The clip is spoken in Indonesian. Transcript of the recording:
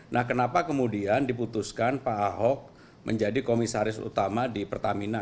nah kenapa kemudian diputuskan pak ahok menjadi komisaris utama di pertamina